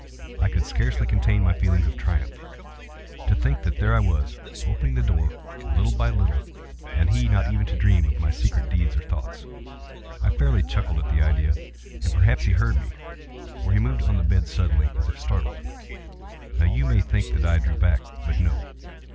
I could scarcely contain my feelings of triumph. To think that there I was, opening the door, little by little, and he not even to dream of my secret deeds or thoughts. I fairly chuckled at the idea; and perhaps he heard me; for he moved on the bed suddenly, as if startled. Now you may think that I drew back—but no.